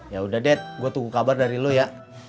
yaudah dad gue tunggu kabar dari lo ya